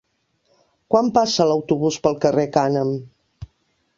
Quan passa l'autobús pel carrer Cànem?